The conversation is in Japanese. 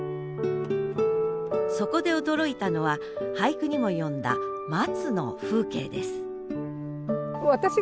そこで驚いたのは俳句にも詠んだ「松」の風景です